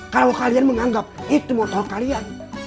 kalau kalian menganggap itu motor kalian